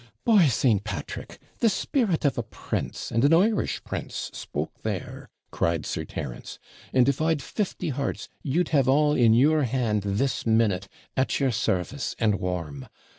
'By St. Patrick! the spirit of a prince, and an Irish prince, spoke there,' cried Sir Terence; 'and if I'd fifty hearts, you'd have all in your hand this minute, at your service, and warm.